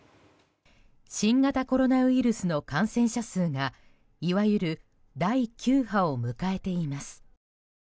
新型コロナウイルスの感染者数がいわゆる第９波を迎えています。